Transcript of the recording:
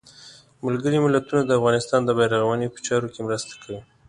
ملګري ملتونه د افغانستان د بیا رغاونې په چارو کې مرسته کوي.